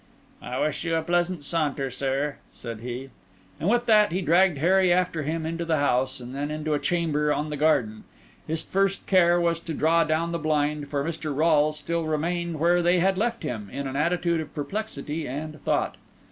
"I wish you a pleasant saunter, sir," said he. And with that he dragged Harry after him into the house, and then into a chamber on the garden. His first care was to draw down the blind, for Mr. Rolles still remained where they had left him, in an attitude of perplexity and thought.